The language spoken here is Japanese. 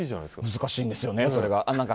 難しいんですよね、それが。